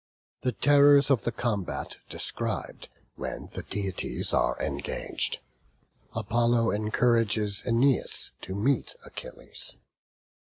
The terrors of the combat described when the deities are engaged. Apollo encourages Æneas to meet Achilles.